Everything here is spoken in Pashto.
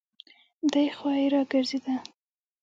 دی خوا يې راګرځېده.